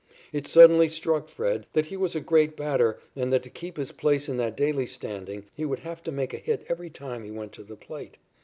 It suddenly struck Fred that he was a great batter and that to keep his place in that daily standing he would have to make a hit every time he went to the plate.